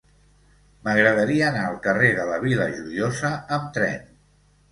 M'agradaria anar al carrer de la Vila Joiosa amb tren.